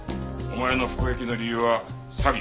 お前の服役の理由は詐欺。